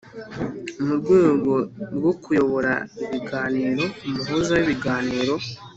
Mu rwego rwo kuyobora ibiganiro umuhuza w ibiganiro